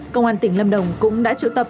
công an tỉnh lâm đồng cũng đã triệu tập